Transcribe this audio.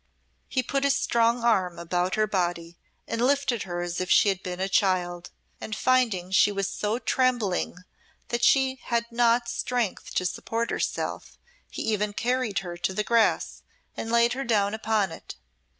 He put his strong arm about her body, and lifted her as if she had been a child, and finding she was so trembling that she had not strength to support herself, he even carried her to the grass and laid her down upon it.